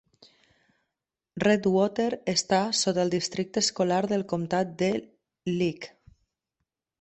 Redwater està sota el districte escolar del comptat de Leake.